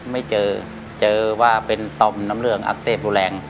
ไม่เจอเจอว่าเป็นต่อมน้ำเหลืองอักเสบูแรง